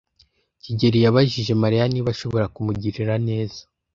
kigeli yabajije Mariya niba ashobora kumugirira neza.